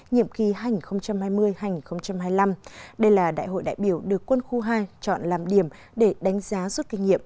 nhiệm kỳ hai nghìn hai mươi hai nghìn hai mươi năm đây là đại hội đại biểu được quân khu hai chọn làm điểm để đánh giá rút kinh nghiệm